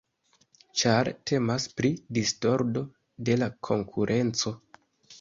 Ĉar temas pri distordo de la konkurenco.